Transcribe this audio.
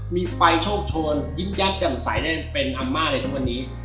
มีไฟโชคโชนยิ้มแย้มกล่องใสได้เป็นอัมม่าเลยทั้งวันนี้